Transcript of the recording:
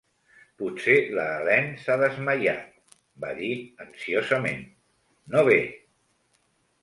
"Potser la Helene s'ha desmaiat", va dir ansiosament, "no ve".